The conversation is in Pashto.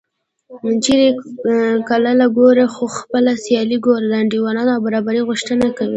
چېرې کلاله ګوره خو خپله سیاله ګوره د انډول او برابرۍ غوښتنه کوي